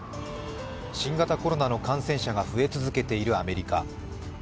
新型コロナの感染者が増え続けているアメリカ。